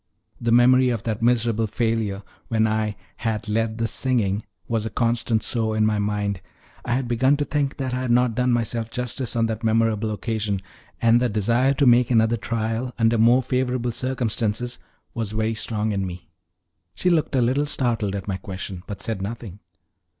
The memory of that miserable failure, when I "had led the singing," was a constant sore in my mind. I had begun to think that I had not done myself justice on that memorable occasion, and the desire to make another trial under more favorable circumstances was very strong in me. She looked a little startled at my question, but said nothing.